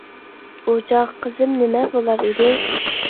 ئۇ چاغ قىزىم نېمە بولار ئىدى.